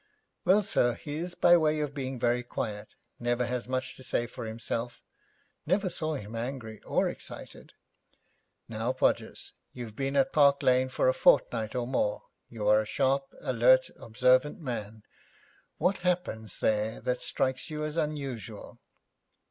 'Well, sir, he is by way of being very quiet, never has much to say for himself; never saw him angry, or excited.' 'Now, Podgers, you've been at Park Lane for a fortnight or more. You are a sharp, alert, observant man. What happens there that strikes you as unusual?'